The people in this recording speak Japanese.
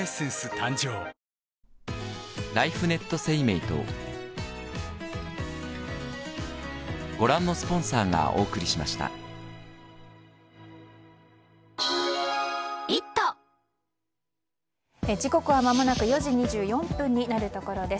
誕生時刻はまもなく４時２４分になるところです。